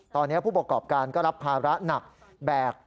ตอนนี้ผู้ประกอบการก็รับภาระหนักแบก